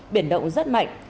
biển động rất mạnh